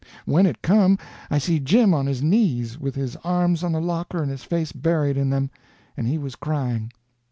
When it come I see Jim on his knees, with his arms on the locker and his face buried in them, and he was crying.